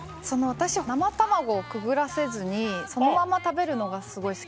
私生卵をくぐらせずにそのまま食べるのがすごい好きで。